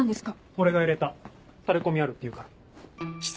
俺が入れたタレコミあるっていうから。